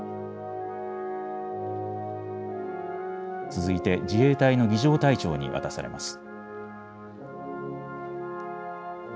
続いて自衛隊の儀じょう隊長に渡されます。